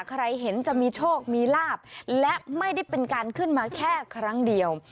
ใครเห็นจะมีโชคมีลาบและไม่ได้เป็นการขึ้นมาแค่ครั้งเดียว